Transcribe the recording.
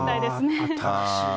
新しい。